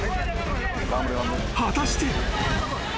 ［果たして］